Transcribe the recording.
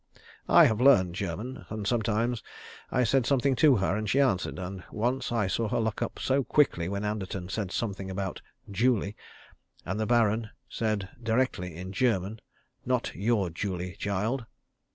I have learned German, and sometimes I said something to her, and she answered; and once I saw her look up so quickly when Anderton said something about "Julie," and the Baron said directly, in German, "not your Julie, child."